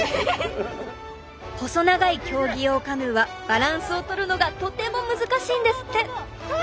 細長い競技用カヌーはバランスを取るのがとても難しいんですって。わ！